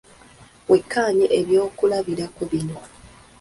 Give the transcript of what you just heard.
Wekkaanye ebyokulabirako bino.